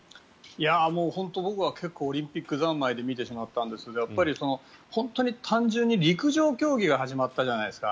本当に僕は結構オリンピックざんまいで見てしまったんですがやっぱり本当に単純に陸上競技が始まったじゃないですか。